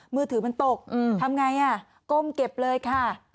มือถือมันตกทำไงก้มเก็บเลยค่ะ